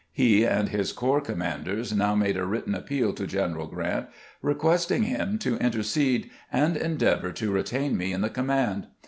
He and his corps commanders now made a written appeal to Q eneral Grrant, requesting him to in tercede and endeavor to retain me in the command.